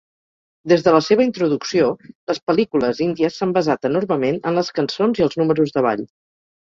Des de la seva introducció, les pel·lícules índies s'han basat enormement en les cançons i els números de ball.